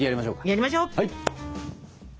やりましょう！